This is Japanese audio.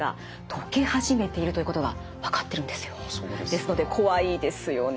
ですので怖いですよね。